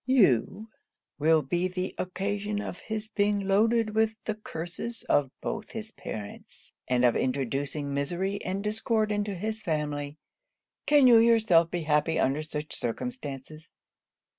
You will be the occasion of his being loaded with the curses of both his parents, and of introducing misery and discord into his family. Can you yourself be happy under such circumstances?